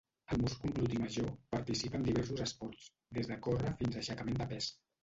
El múscul gluti major participa en diversos esports, des de córrer fins a aixecament de pes.